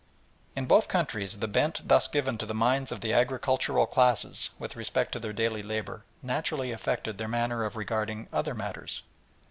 In both countries the bent thus given to the minds of the agricultural classes with respect to their daily labour naturally affected their manner of regarding other matters.